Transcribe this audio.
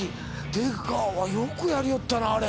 出川よくやりよったなあれ。